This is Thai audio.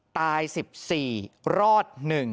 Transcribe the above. ตาย๑๔รอด๑